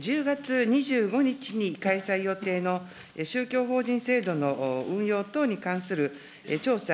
１０月２５日に開催予定の宗教法人制度の運用等に関する調査